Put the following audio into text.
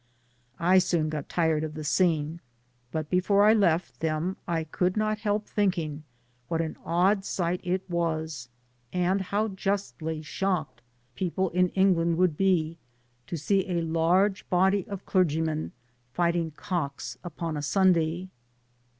I soon got tired of the scene; but brfore I left them, I could not help thinking what an odd i^ht it was, and how justly shocked people in England would be to see a large body of clergymen fighting cocks upon a Sunday.